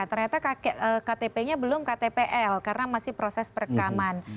ternyata ktpnya belum ktpl karena masih proses perekaman